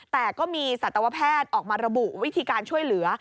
แต่ก็มีสัตวแพทย์ออกมาระบุวิธีการช่วยเหลือ